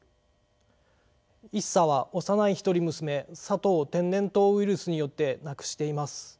一茶は幼い一人娘さとを天然痘ウイルスによって亡くしています。